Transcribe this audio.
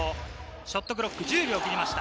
ショットクロックは１０秒を切りました。